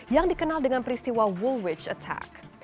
yang dikenal dengan peristiwa wolwich attack